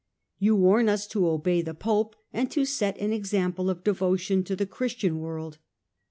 You warn us to obey the Pope and to set an ex ample of devotion to the Christian world.